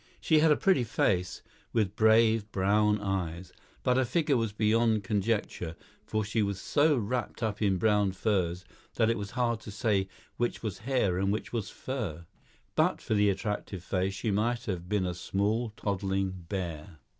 She had a pretty face, with brave brown eyes; but her figure was beyond conjecture, for she was so wrapped up in brown furs that it was hard to say which was hair and which was fur. But for the attractive face she might have been a small toddling bear.